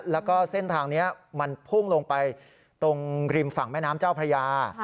แล้วก็เส้นทางนี้มันพุ่งลงไปตรงริมฝั่งแม่น้ำเจ้าพระยา